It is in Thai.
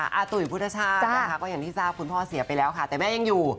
อาตุ๋ยพุทธชาตินะคะก็อย่างที่ทราบคุณพ่อเสียไปแล้วค่ะแต่แม่ยังอยู่